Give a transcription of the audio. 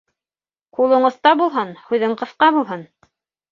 Ҡулың оҫта булһын, һүҙең ҡыҫҡа булһын.